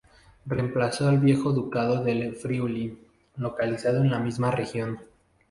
Reemplazó al viejo Ducado del Friuli, localizado en la misma región.